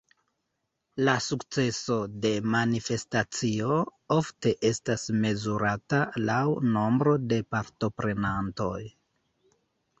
La sukceso de manifestacio ofte estas mezurata laŭ nombro de partoprenantoj.